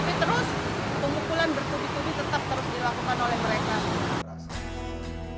tapi terus pengumpulan berkubi kubi tetap terus dilakukan oleh mereka